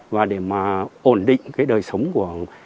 và để mà ổn định cái đời sống của